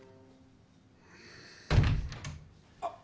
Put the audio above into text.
あっ。